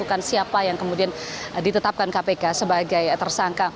untuk menentukan siapa yang kemudian ditetapkan kpk sebagai tersangka